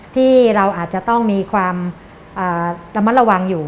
ที่เราอาจจะต้องมีความระมัดระวังอยู่